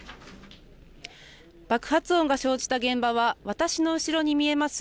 爆発音が生じた現場は、私の後ろに見えます